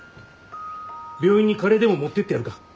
病院にカレーでも持ってってやるか。